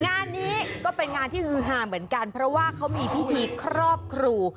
งานนี้ก็เป็นงานที่ฮือหาเหมือนกันเพราะว่าเขามีพิธีครอบครู